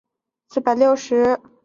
主要城镇为菲热克。